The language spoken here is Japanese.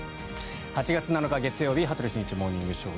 ８月７日、月曜日「羽鳥慎一モーニングショー」。